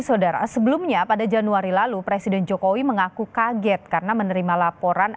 saudara sebelumnya pada januari lalu presiden jokowi mengaku kaget karena menerima laporan